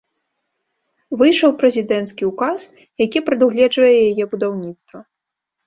Выйшаў прэзідэнцкі ўказ, які прадугледжвае яе будаўніцтва.